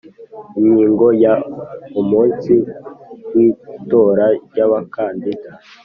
Ingingo ya Umunsi w itora ry Abakandida